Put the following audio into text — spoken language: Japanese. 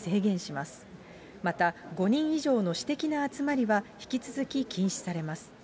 また、５人以上の私的な集まりは引き続き禁止されます。